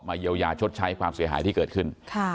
เยียวยาชดใช้ความเสียหายที่เกิดขึ้น